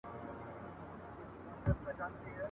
دا چي نن له خپله سېله را جلا یې ..